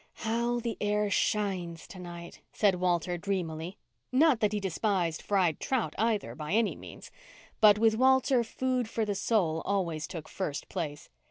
"How the air shines to night," said Walter dreamily. Not that he despised fried trout either, by any means; but with Walter food for the soul always took first place.